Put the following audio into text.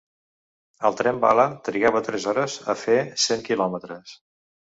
El "tren bala" trigava tres hores a fer cent kilòmetres.